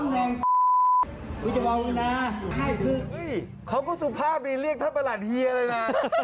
เห้ยคอก็สุภาพดีเรียกถ้าประหลัดเฮียเลยนะ